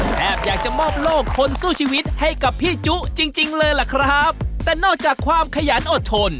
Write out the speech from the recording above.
แทบอยากจะมอบโลกคนสู้ชีวิตให้กับพี่จุจริงจริงเลยล่ะครับแต่นอกจากความขยันอดทน